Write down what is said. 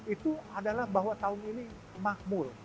itu adalah bahwa tahun ini makmur